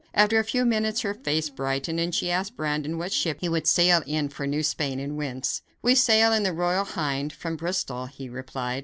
After a few minutes her face brightened, and she asked Brandon what ship he would sail in for New Spain, and whence. "We sail in the Royal Hind, from Bristol," he replied.